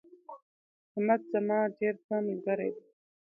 احمد زما ډیر ښه ملگرى دي